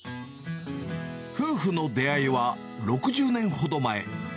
夫婦の出会いは６０年ほど前。